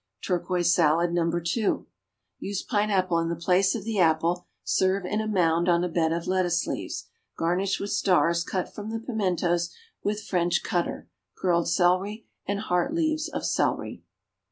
=Turquoise Salad, No. 2.= Use pineapple in the place of the apple; serve in a mound on a bed of lettuce leaves. Garnish with stars cut from the pimentos with French cutter, curled celery, and heart leaves of celery.